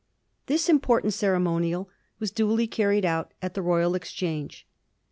This important ceremonial was duly carried out at the Royal Ex change.